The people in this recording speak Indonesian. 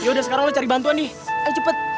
yaudah sekarang lo cari bantuan nih eh cepet